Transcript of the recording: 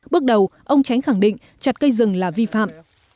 bước đầu ông chánh khẳng định chặt cây rừng là vi phạm